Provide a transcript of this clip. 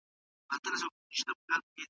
ازموینه باید د پوهي د کچي معلومولو لپاره وي.